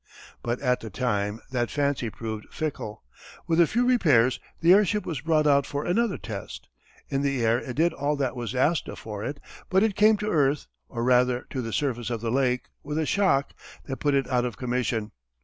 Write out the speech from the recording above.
But at the time that fancy proved fickle. With a few repairs the airship was brought out for another test. In the air it did all that was asked for it, but it came to earth or rather to the surface of the lake with a shock that put it out of commission.